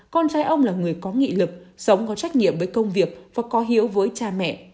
con trai ông là người có nghị lực sống có trách nhiệm với công việc và có hiếu với cha mẹ